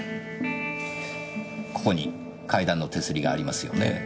ここに階段の手すりがありますよね。